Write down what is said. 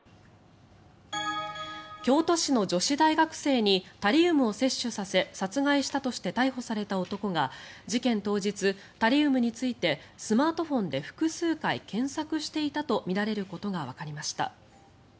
京都市の女子大学生にタリウムを摂取させ殺害したとして逮捕された男が事件当日、タリウムについてスマートフォンで複数回、検索していたとみられることがわかりました。